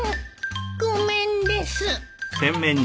ごめんです。